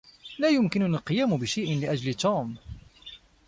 لا يمكنني القيام بشيء لأجل توم.